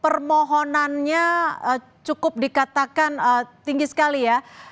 permohonannya cukup dikatakan tinggi sekali ya